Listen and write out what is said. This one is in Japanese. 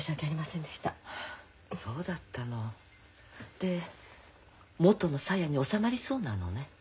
で元のさやに収まりそうなのね？